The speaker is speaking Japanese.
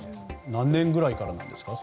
何年ぐらいからなんですか？